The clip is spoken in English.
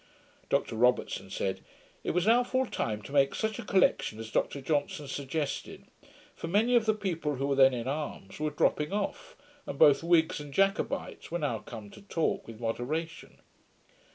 Dr Robertson said, 'it was now full time to make such a collection as Dr Johnson suggested; for many of the people who were then in arms, were dropping off; and both Whigs and Jacobites were now come to talk with moderation.'